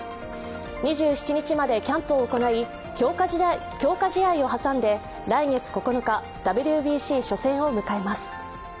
２７日までキャンプを行い強化試合を挟んで来月９日、ＷＢＣ初戦を迎えます。